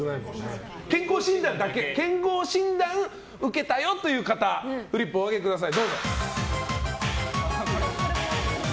では健康診断を受けたよという方フリップ、お上げください。